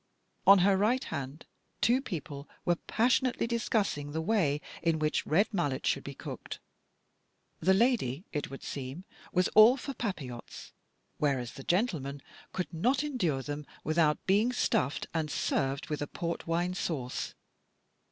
On her right hand two people were passionately discussing the way in which red mullet should be cooked. The lady, it would seem, was all for papilottes, whereas the gentleman could not endure them without being stuffed and served with port wine sauce.